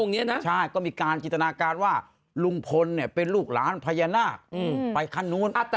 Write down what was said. เขามาหาใครอ่ะ